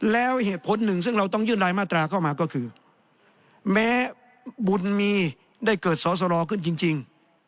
แล้วเหตุผลหนึ่งซึ่งเราต้องยื่นรายมาตราเข้ามาก็คือแม้บุญมีได้เกิดสอสรขึ้นจริง